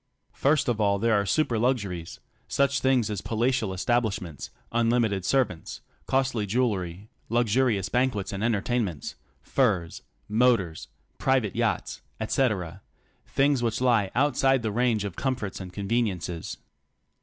First of all there are super luxuries — such things as palatial establishments, unHmited servants, costly jewelry, luxurious banquets and entertainments, furs, motors, private yachts, etc. — things which He outside the range of comforts and conveniences.